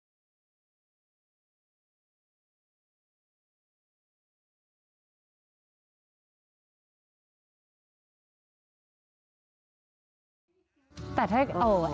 แล้วเรามีหนึ่งเล่าหญิงหน้าต่อกันใหม่นะใครขึ้นนะคะก็ครอบครัวนะครับ